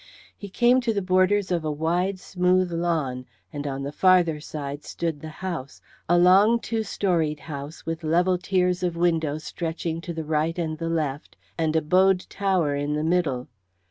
He came to the borders of a wide, smooth lawn, and on the farther side stood the house, a long, two storeyed house with level tiers of windows stretching to the right and the left, and a bowed tower in the middle.